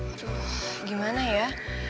aduh gimana ya